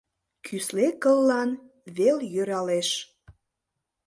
Кӱсле кыллан вел йӧралеш.